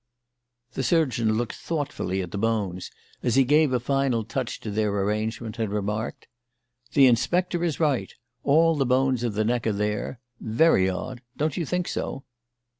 The surgeon looked thoughtfully at the bones as he gave a final touch to their arrangement, and remarked: "The inspector is right. All the bones of the neck are there. Very odd. Don't you think so?"